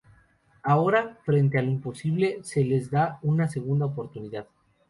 Ahora, frente a lo imposible, se les da una segunda oportunidad.